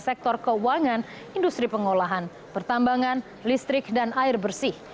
sektor keuangan industri pengolahan pertambangan listrik dan air bersih